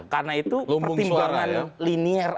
karena itu pertimbangan linial